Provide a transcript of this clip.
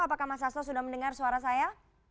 apakah mas sasto sudah mendengar suara saya